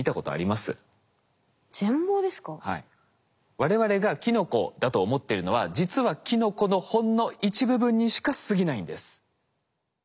我々がキノコだと思ってるのは実はキノコのほんの一部分にしかすぎないんです。